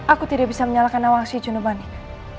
aku tidak bisa menyalahkan awang si cundemanik